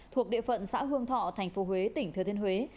thuộc địa phận xã hương thọ tp huế tỉnh thừa thiên huế